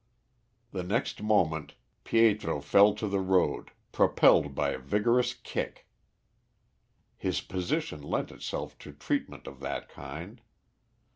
The next moment Pietro fell to the road, propelled by a vigorous kick. His position lent itself to treatment of that kind.